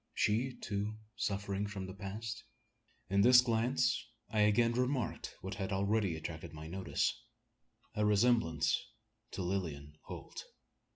She, too, suffering from the past? In this glance I again remarked what had already attracted my notice a resemblance to Lilian Holt!